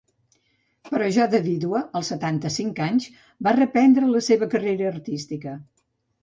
Però ja de vídua, als setanta-cinc anys, va reprendre la seva carrera artística.